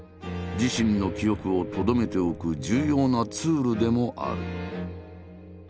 自身の記憶をとどめておく重要なツールでもある。